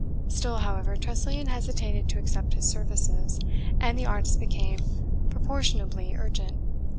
Still, however, Tressilian hesitated to accept his services, and the artist became proportionably urgent.